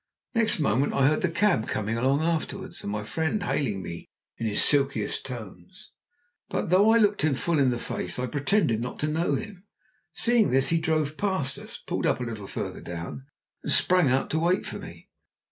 Next moment I heard the cab coming along after us, and my friend hailing me in his silkiest tones; but though I looked him full in the face I pretended not to know him. Seeing this he drove past us pulled up a little farther down and sprang out to wait for me.